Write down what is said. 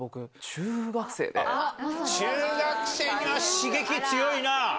中学生には刺激強いなあ。